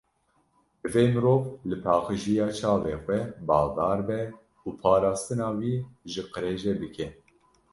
Divê mirov li paqijiya çavê xwe baldar be û parastina wî ji qirêjê bike.